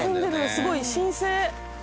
すごい神聖。